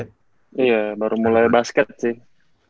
iya baru mulai basket sih